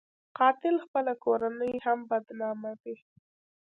قاتل خپله کورنۍ هم بدناموي